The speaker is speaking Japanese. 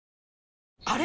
あれ？